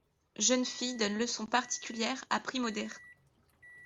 Jeune fille donne leçons particulières à prix modér.